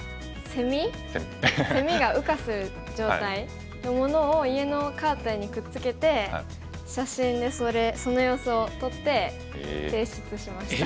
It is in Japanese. セミが羽化する状態のものを家のカーテンにくっつけて写真にその様子を撮って提出しました。